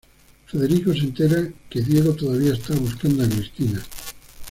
Federico se entera que Diego todavía está buscando a Cristina.